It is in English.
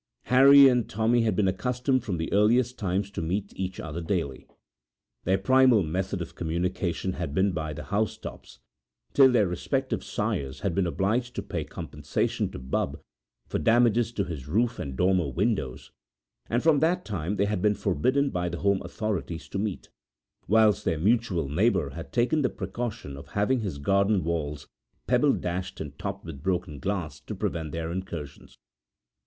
Harry and Tommy had been accustomed from the earliest times to meet each other daily. Their primal method of communication had been by the housetops, till their respective sires had been obliged to pay compensation to Bubb for damages to his roof and dormer windows; and from that time they had been forbidden by the home authorities to meet, whilst their mutual neighbour had taken the precaution of having his garden walls pebble dashed and topped with broken glass to prevent their incursions.